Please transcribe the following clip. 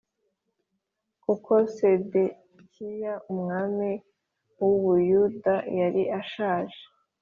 Kuko Sedekiya umwami w’u Buyuda yari ashaje